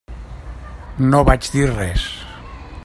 No vaig dir res.